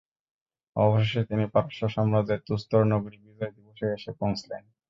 অবশেষে তিনি পারস্য সাম্রাজ্যের তুস্তর নগরী বিজয় দিবসে এসে পৌঁছলেন।